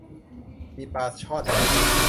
มีปลาช่อน